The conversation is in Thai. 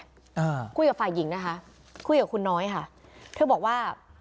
อ่าคุยกับฝ่ายหญิงนะคะคุยกับคุณน้อยค่ะเธอบอกว่า